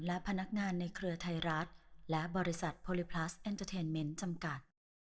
และพนักงานในเครือไทยรัฐและบริษัทโพลิพลัสเอ็นเตอร์เทนเมนต์จำกัด